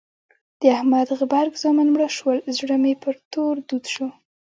د احمد غبرګ زامن مړه شول؛ زړه مې پر تور دود شو.